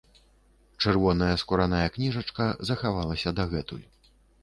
Чырвоная скураная кніжачка захавалася дагэтуль.